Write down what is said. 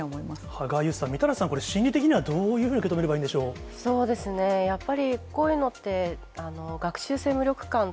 歯がゆさみたいなもの、みたらしさん、心理的にはどういうふうに受け止めればいいんでしそうですね、やっぱりこういうのって、学習性無力感？